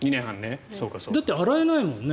だって洗えないもんね。